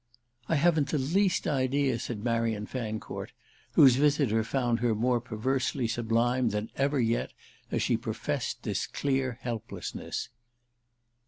"I haven't the least idea," said Marian Fancourt, whose visitor found her more perversely sublime than ever yet as she professed this clear helplessness.